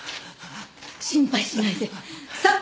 心配しないでさあ！